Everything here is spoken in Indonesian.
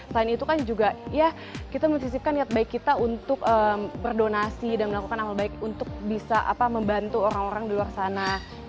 selain itu kan juga ya kita mencisipkan niat baik kita untuk berdonasi dan melakukan amal baik untuk bisa membantu orang orang di luar sana